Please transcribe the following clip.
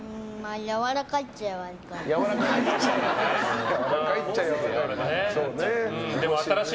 やわらかいっちゃやわらかい。